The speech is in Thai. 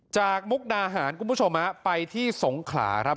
มุกดาหารคุณผู้ชมไปที่สงขลาครับ